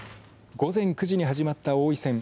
午前９時に始まった王位戦